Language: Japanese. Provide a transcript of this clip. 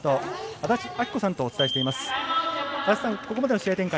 安達さん、ここまでの試合展開